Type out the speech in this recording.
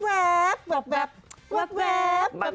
มันได้เปิดไปแป๊บ